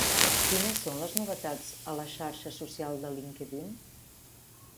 Quines són les novetats a la xarxa social de LinkedIn?